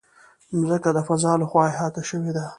مځکه د فضا له خوا احاطه شوې ده.